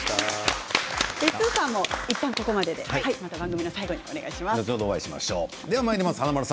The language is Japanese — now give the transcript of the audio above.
スーさんもいったんここまででまた番組の最後にお願いします。